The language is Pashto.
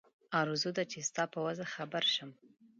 آرزو ده چې ستا په وضع خبر شم.